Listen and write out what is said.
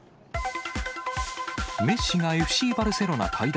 メッシがＦＣバルセロナ退団。